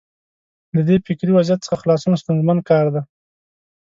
له دې فکري وضعیت څخه خلاصون ستونزمن کار دی.